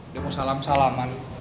dia mau salam salaman